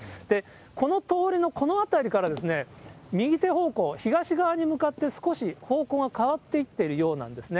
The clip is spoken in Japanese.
この通りのこのあたりから、右手方向、東側に向かって、少し方向が変わっていっているようなんですね。